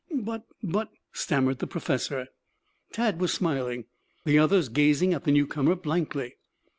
"But but " stammered the professor. Tad was smiling, the others gazing at the newcomer blankly.